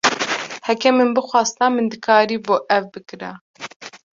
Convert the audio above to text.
Heke min bixwasta min dikaribû ev bikira.